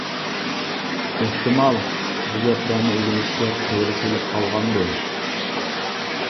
ئېھتىمال، بۇ گەپلەرنى ئۆگىنىشكە قېرى كېلىپ قالغاندۇ.